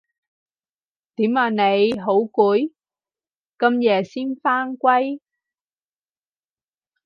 點啊你？好攰？咁夜先返歸